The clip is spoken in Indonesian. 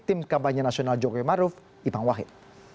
tim kampanye nasional jokowi maruf ipang wahid